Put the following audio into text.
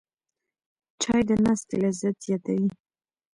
چای د ناستې لذت زیاتوي